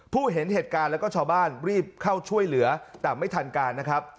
เห็นเหตุการณ์แล้วก็ชาวบ้านรีบเข้าช่วยเหลือแต่ไม่ทันการนะครับ